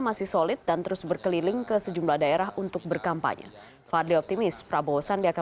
masih solid dan terus berkeliling ke sejumlah daerah untuk berkampanye fadli optimis prabowo sandi akan